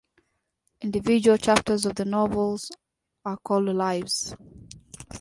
Individual chapters of the novels are called "Lives".